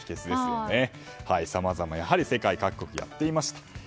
さまざまやはり世界各国やっていました。